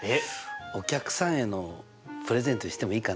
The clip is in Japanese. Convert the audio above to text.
お客さんへのプレゼントにしてもいいかな？